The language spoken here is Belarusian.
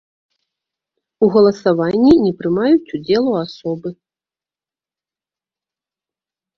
У галасаванні не прымаюць удзелу асобы.